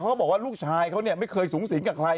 เขาบอกว่าลูกชายเขาเนี่ยไม่เคยสูงสิงกับใคร